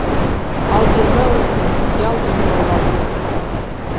Ал бирмәү өсөн ял белмәү лазым.